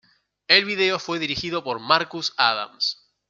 El video fue dirigido por Marcus Adams.